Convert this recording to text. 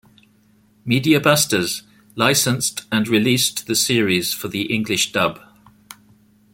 Media Busters licensed and released the series for the English dub.